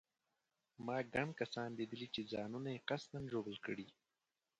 ما ګڼ کسان لیدلي چې ځانونه یې قصداً ژوبل کړي.